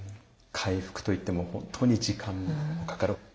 回復といっても本当に時間もかかる。